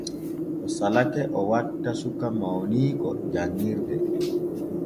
O salake o watta suka mawniiko janŋirde.